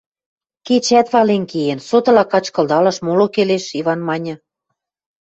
Кечӓт вален кеен, сотыла качкылдалаш мол келеш, — Иван маньы.